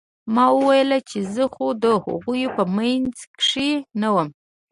ما وويل چې زه خو د هغوى په منځ کښې نه وم.